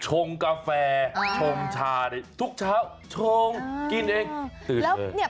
ชงกาแฟชงชาทุกเช้าชงกินเองตื่นเลย